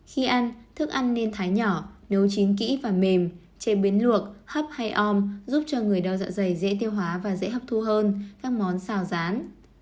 khi ăn thức ăn nên thái nhỏ nấu chín kỹ và mềm chế biến luộc hấp hay om giúp cho người đau dạ dày dễ tiêu hóa và dễ hấp thu hơn các món xào rán